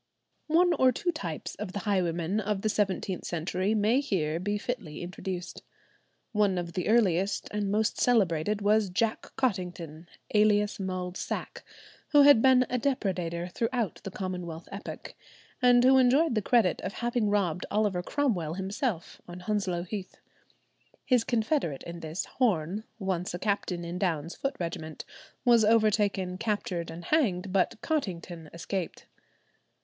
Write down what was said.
One or two types of the highwaymen of the seventeenth century may here be fitly introduced. One of the earliest and most celebrated was Jack Cottington, alias "Mulled Sack," who had been a depredator throughout the Commonwealth epoch, and who enjoyed the credit of having robbed Oliver Cromwell himself on Hounslow Heath. His confederate in this, Horne, once a captain in Downe's foot regiment, was overtaken, captured, and hanged, but Cottington escaped.